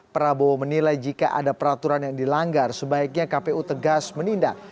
prabowo menilai jika ada peraturan yang dilanggar sebaiknya kpu tegas menindak